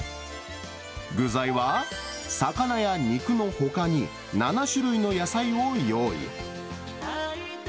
具材は、魚や肉のほかに７種類の野菜を用意。